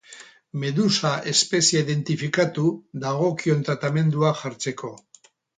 Medusa espeziea identifikatu dagokion tratamendua jartzeko.